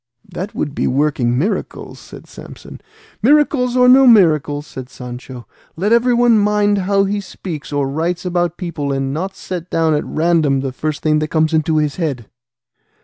"That would be working miracles," said Samson. "Miracles or no miracles," said Sancho, "let everyone mind how he speaks or writes about people, and not set down at random the first thing that comes into his head."